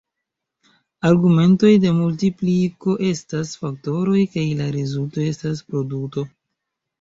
Argumentoj de multipliko estas faktoroj kaj la rezulto estas produto.